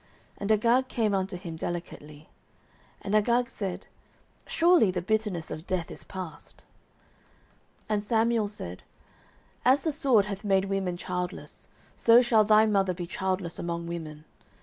And Agag came unto him delicately. And Agag said, Surely the bitterness of death is past. 09:015:033 And Samuel said, As the sword hath made women childless, so shall thy mother be childless among women.